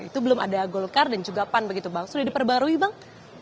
itu belum ada golkar dan juga pan begitu bang sudah diperbarui bang